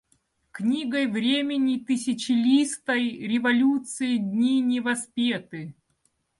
Книгой времени тысячелистой революции дни не воспеты.